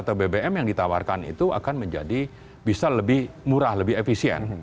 karena gas atau bbm yang ditawarkan itu akan menjadi bisa lebih murah lebih efisien